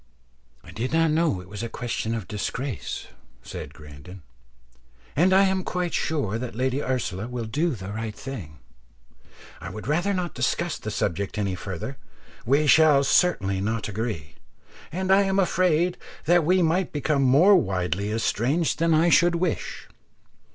"I did not know it was a question of disgrace," said Grandon, "and I am quite sure that Lady Ursula will do the right thing. I would rather not discuss the subject any further; we shall certainly not agree, and I am afraid that we might become more widely estranged than I should wish.